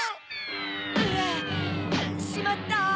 うわしまった！